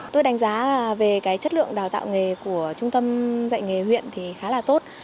tôi đánh giá về cái chất lượng đào tạo nghề của trung tâm dạy nghề huyện thì khá là tốt